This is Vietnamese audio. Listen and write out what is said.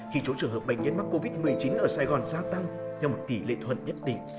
khi số trường hợp bệnh nhân mắc covid một mươi chín ở sài gòn gia tăng theo một tỷ lệ thuận nhất định